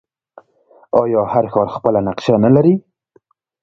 آیا هر ښار خپله نقشه نلري؟